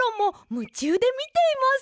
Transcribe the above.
むちゅうでみています！